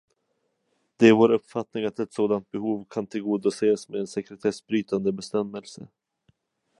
Det är vår uppfattning att ett sådant behov kan tillgodoses med en sekretessbrytande bestämmelse.